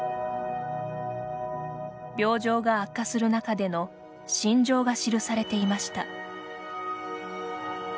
病状が悪化する中での心情が記されていました。